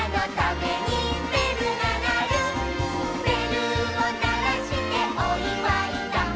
「べるをならしておいわいだ」